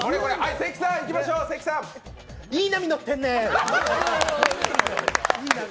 いい波乗ってんね！